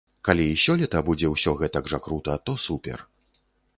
Калі і сёлета будзе ўсё гэтак жа крута, то супер.